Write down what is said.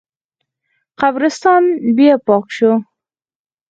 قبرستان بیا پاک شو.